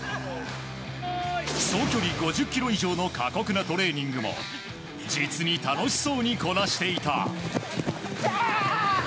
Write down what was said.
総距離５０ｋｍ以上の過酷なトレーニングも実に楽しそうにこなしていた。